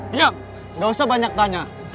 diam gak usah banyak tanya